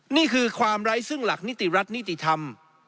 นี่คือความไร้ซึ่งหลักนิติรัฐนิติธรรม